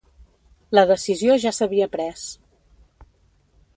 La decisió ja s'havia pres.